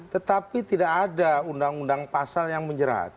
tetapi tidak ada undang undang pasal yang menjerat